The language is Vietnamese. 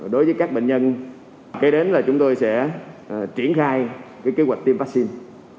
đối với các bệnh nhân kế đến là chúng tôi sẽ triển khai kế hoạch tiêm vaccine